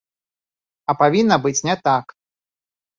А павінна быць не так!